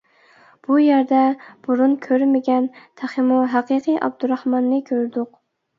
بۇ يەردە بۇرۇن كۆرمىگەن، تېخىمۇ ھەقىقىي ئابدۇراخماننى كۆردۇق.